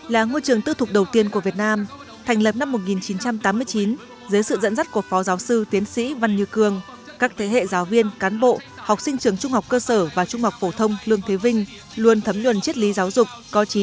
là ngôi trường tư thục đầu tiên của việt nam thành lập năm một nghìn chín trăm tám mươi chín dưới sự dẫn dắt của phó giáo sư tiến sĩ văn như cường các thế hệ giáo viên cán bộ học sinh trường trung học cơ sở và trung học phổ thông lương thế vinh luôn thấm nhuần chất lý giáo dục